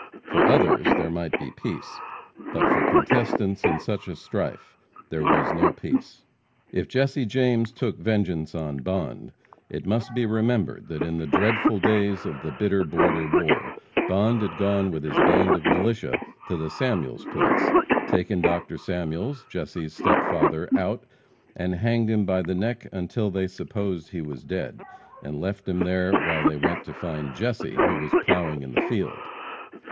For others there might be peace, but for contestants in such a strife there was no peace. If Jesse James took vengeance on Bond, it must be remembered that in the dreadful days of the bitter border war, Bond had gone with his band of militia to the Samuels' place, taken Dr. Samuels, Jesse's step father, out, and hanged him by the neck until they supposed he was dead, and left him there while they went to find Jesse, who was plowing in the field.